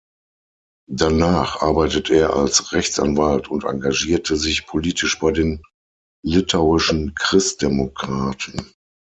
Danach arbeitet er als Rechtsanwalt und engagierte sich politisch bei den Litauischen Christdemokraten.